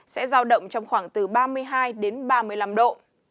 sẽ giao động trong khoảng từ ba mươi hai đến ba mươi năm độ